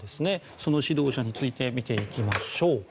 その指導者について見ていきましょう。